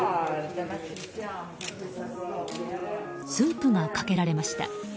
スープがかけられました。